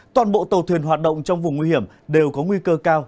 toàn bộ tàu thuyền hoạt động trong vùng nguy hiểm đều có nguy cơ cao